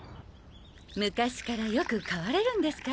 昔からよく買われるんですか？